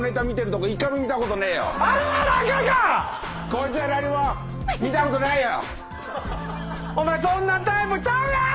こいつは何も見たことないよ！